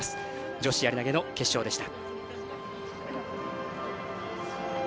女子やり投げの決勝でした。